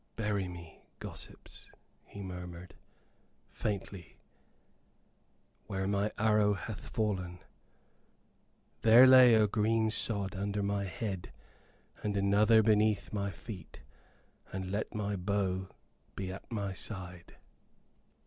"Bury me, gossips," he murmured, faintly, "where my arrow hath fallen. There lay a green sod under my head and another beneath my feet, and let my bow be at my side."